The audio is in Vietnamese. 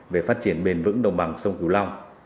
về phát triển bền vững đồng bằng sông cửu long